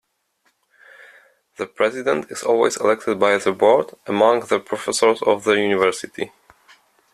The president is always elected by the board among the professors of the university.